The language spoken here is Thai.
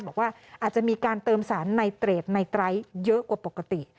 บอกว่าอาจจะมีการเติมสารในเตรดในไตรเยอะกว่าปกติ